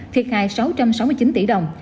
thiệt hại sáu trăm sáu mươi chín tỷ đồng